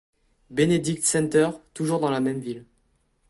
Benedict Center, toujours dans la même ville.